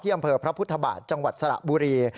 อำเภอพระพุทธบาทจังหวัดสระบุรี